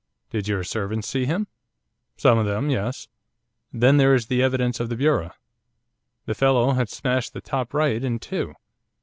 'Did your servants see him?' 'Some of them, yes. Then there is the evidence of the bureau. The fellow had smashed the top right in two.